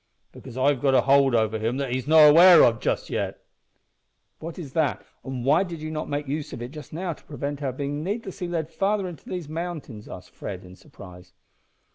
"Because I've got a hold over him that he's not aware of just yet." "What is that, and why did you not make use of it just now to prevent our being needlessly led farther into these mountains?" asked Fred, in surprise.